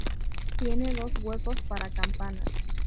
Tiene dos huecos para campanas.